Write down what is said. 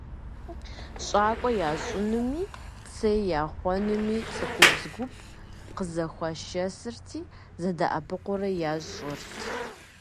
ЩӀакӀуэ ящӀынуми, цей яхъуэнуми цӀыхубз гуп къызэхуашэсырти, зэдэӀэпыкъуурэ ящӀырт.